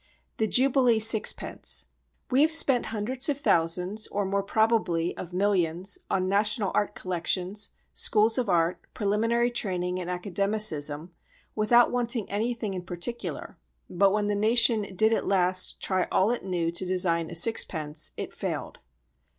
The Jubilee Sixpence We have spent hundreds of thousands, or more probably of millions, on national art collections, schools of art, preliminary training and academicism, without wanting anything in particular, but when the nation did at last try all it knew to design a sixpence, it failed.